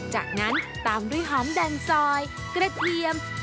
จากนั้นตามด้วยหอมแดงซอยกระเทียม